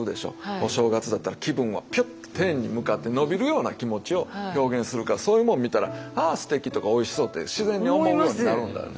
お正月だったら気分はピュッて天に向かって伸びるような気持ちを表現するからそういうもん見たらあすてきとかおいしそうって自然に思うようになるんだよね。